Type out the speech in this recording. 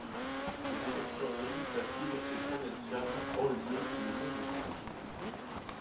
Des élections législatives et provinciales ont lieu le même jour.